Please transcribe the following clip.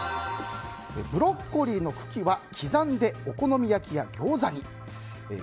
ブロッコリーの茎は刻んで、お好み焼きやギョーザに。